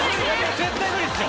絶対無理っすよ。